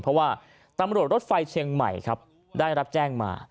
เพราะว่าตำรวจรถไฟเชียงใหม่ครับได้รับแจ้งมา